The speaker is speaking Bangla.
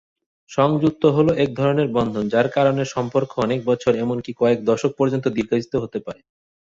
সংযুক্তি হল এক ধরনের বন্ধন যার কারণে সম্পর্ক অনেক বছর এমনকি কয়েক দশক পর্যন্ত দীর্ঘস্থায়ী হতে পারে।